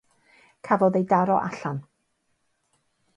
Cafodd ei daro allan.